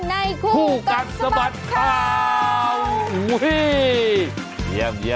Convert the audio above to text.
ในกูกัดสบัดขาย